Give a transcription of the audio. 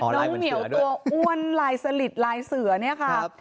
เหมียวตัวอ้วนลายสลิดลายเสือเนี่ยค่ะ